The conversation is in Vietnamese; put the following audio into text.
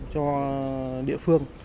cho địa phương